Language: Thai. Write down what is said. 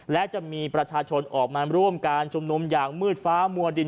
และจะมีประชาชนออกมาร่วมการชุมนุมอย่างมืดฟ้ามัวดิน